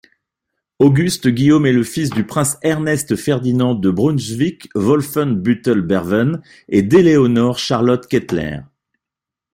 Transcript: Auguste-Guillaume est le fils du prince Ernest-Ferdinand de Brunswick-Wolfenbüttel-Bevern et d'Éléonore Charlotte Kettler.